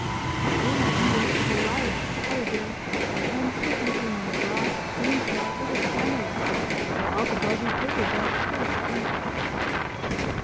His own ideas of a riotous holiday meant picnicking on the grass of Green Park with his family, and half a dozen paper bags full of food.